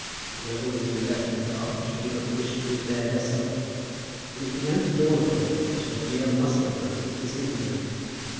Whoever was to be left in the dark she did not wish to be there herself; and it began to dawn upon her that her dear Musselboro was deceiving her.